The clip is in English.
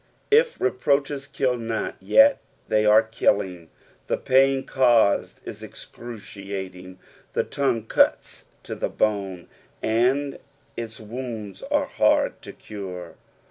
If reproaches kill not, jet they ore killing, the pain caused is excruciating. The tongue cuts to the bone, and its wounds are hard to cure.